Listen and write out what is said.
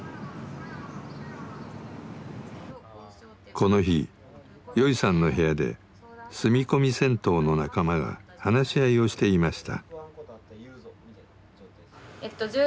この日よいさんの部屋で住み込み銭湯の仲間が話し合いをしていました。